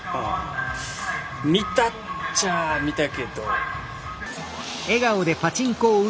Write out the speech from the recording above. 見たっちゃ見たけど。